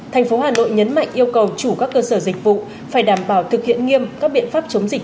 thành phố hà nội nhấn mạnh yêu cầu chủ các cơ sở dịch vụ phải đảm bảo thực hiện nghiêm các biện pháp chống dịch